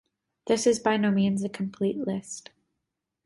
This is by no means a complete list.